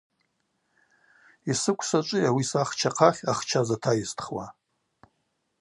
Йсыквшва ачӏвыйа ауи сахча ахъахь ахча затайыстхуа.